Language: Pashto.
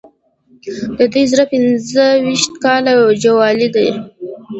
د دوه زره پنځه ویشتم کال جولای ده.